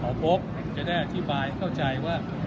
ก็เลยอธิบายข้อใจว่า